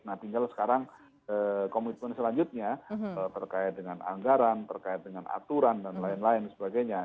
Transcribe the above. nah tinggal sekarang komitmen selanjutnya terkait dengan anggaran terkait dengan aturan dan lain lain sebagainya